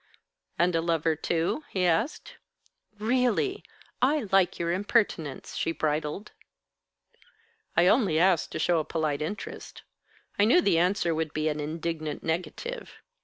"And a lover, too?" he asked. "Really! I like your impertinence!" she bridled. "I only asked to show a polite interest. I knew the answer would be an indignant negative.